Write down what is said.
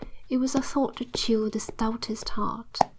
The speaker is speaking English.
It was a thought to chill the stoutest heart.